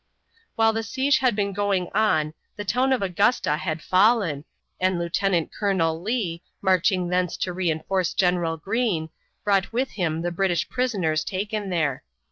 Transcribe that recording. While the siege had been going on the town of Augusta had fallen, and Lieutenant Colonel Lee, marching thence to re enforce General Greene, brought with him the British prisoners taken there.